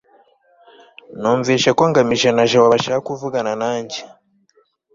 numvise ko ngamije na jabo bashaka kuvugana nanjye